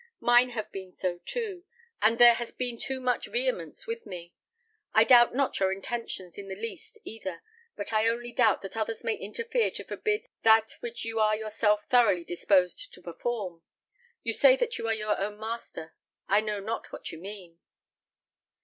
Mine have been so too, but there has been too much vehemence with me. I doubt not your intentions in the least either; but I only doubt that others may interfere to forbid that which you are yourself thoroughly disposed to perform. You say that you are your own master: I know not what you mean."